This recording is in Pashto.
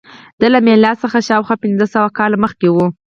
دا له میلاد څخه شاوخوا پنځه سوه کاله مخکې وه